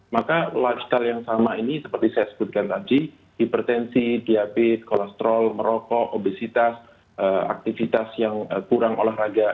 maka lifestyle yang sama ini seperti saya sebutkan tadi hipertensi diabetes kolesterol merokok obesitas aktivitas yang kurang olahraga